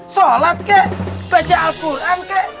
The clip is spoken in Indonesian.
sholat kek baca al quran kek